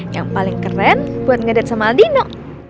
yang paling keren buat ngedet sama aldino